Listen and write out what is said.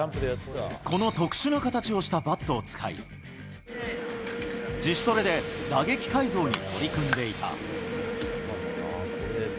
この特殊な形をしたバットを使い、自主トレで打撃改造に取り組んでいた。